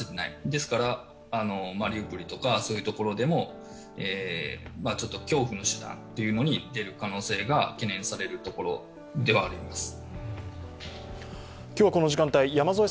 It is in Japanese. ですからマリウポリとか、そういうところでも恐怖の手段に出る可能性が懸念されるところではあります。